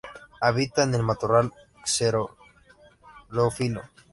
Habita en matorral xerófilo.